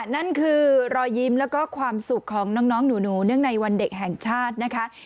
นั่นคือรอยยิ้มและความสุขของน้องหนูในวันเด็กแห่งชาติ